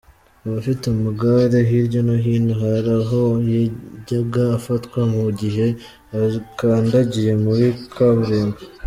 Abafite amagare hirya no hino hari aho yajyaga afatwa mu gihe akandagiye muri kaburimbo.